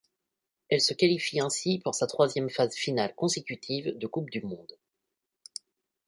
Elle se qualifie ainsi pour sa troisième phase finale consécutive de Coupe du monde.